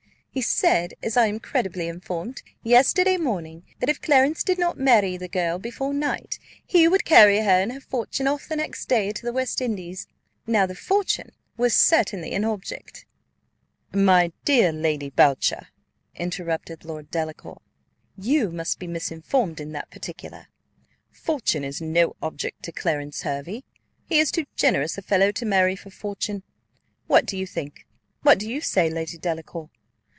He said, as I am credibly informed, yesterday morning, that if Clarence did not marry the girl before night, he would carry her and her fortune off the next day to the West Indies. Now the fortune was certainly an object." "My dear Lady Boucher," interrupted Lord Delacour, "you must be misinformed in that particular: fortune is no object to Clarence Hervey; he is too generous a fellow to marry for fortune. What do you think what do you say, Lady Delacour?"